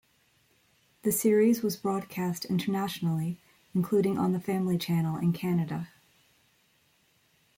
The series was broadcast internationally, including on the Family Channel in Canada.